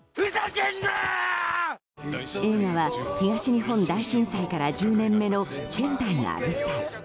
映画は、東日本大震災から１０年目の仙台が舞台。